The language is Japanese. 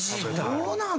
そうなの？